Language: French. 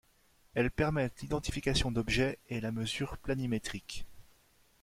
Elles permettent l'identification d'objets, et la mesure planimétrique.